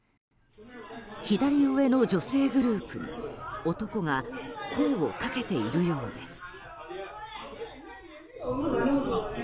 左上の女性グループに男が声をかけているようです。